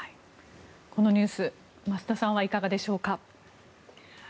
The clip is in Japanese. このニュース増田さんはいかがでしょうか。